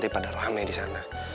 takutnya nanti pada rame disana